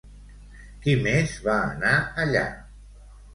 Qui més va anar allà?